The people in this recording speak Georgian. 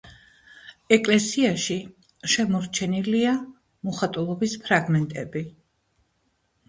ეკლესიაში შემორჩენილია მოხატულობის ფრაგმენტები.